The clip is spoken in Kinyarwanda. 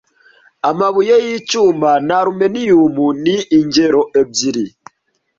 Amabuye y'icyuma na aluminium ni ingero ebyiri